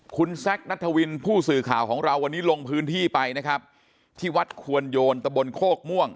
คุณแซคนัทวินผู้สื่อข่าวของเราวันนี้ลงพื้นที่ไปนะครับที่วัดควนโยนตะบนโคกม่วง